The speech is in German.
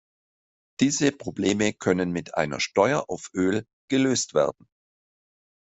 Diese Probleme können mit einer Steuer auf Öl gelöst werden.